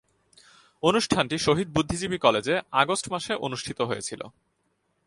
অনুষ্ঠানটি শহীদ বুদ্ধিজীবী কলেজে আগস্ট মাসে অনুষ্ঠিত হয়েছিলো।